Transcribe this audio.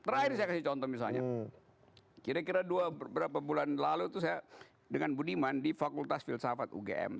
terakhir saya kasih contoh misalnya kira kira dua berapa bulan lalu itu saya dengan budiman di fakultas filsafat ugm